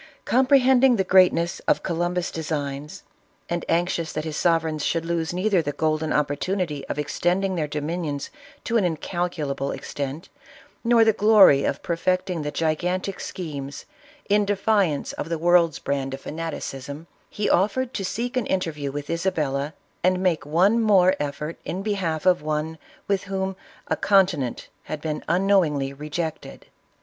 Comprehend ing the greatness of Columbus' designs, and anxious that his sovereigns should lose neither the golden opportunity of extending their dominions to an incal culable extent, nor the glory of perfecting the gigantic schemcs0n defiance of the world's brand of fanaticism, he offered to seek an interview with Isabella, and make one more effort in behalf of one with whom a continent had been unknowingly rejected.